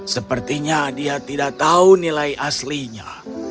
sepertinya dia tidak tahu nilai aslinya